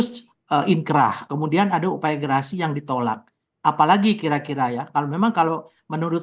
terus inkrah kemudian ada upaya gerasi yang ditolak apalagi kira kira ya kalau memang kalau menurut